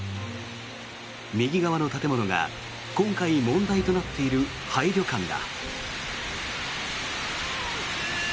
右側の建物が今回問題となっている廃旅館だ。